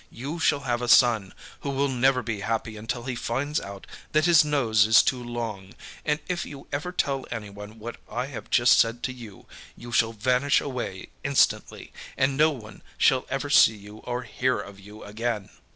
You shall have a son, who will never be happy until he finds out that his nose is too long, and if you ever tell anyone what I have just said to you, you shall vanish away instantly, and no one shall ever see you or hear of you again.